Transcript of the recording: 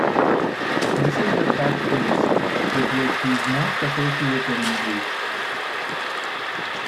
This is the catchphrase with which he is most associated in Greece.